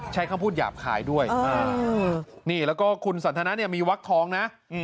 ใช้คำพูดหยาบคายด้วยนี่แล้วก็คุณสันทนาเนี่ยมีวักทองนะ